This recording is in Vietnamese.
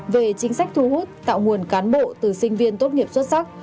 về chính sách thu hút tạo nguồn cán bộ từ sinh viên tốt nghiệp xuất sắc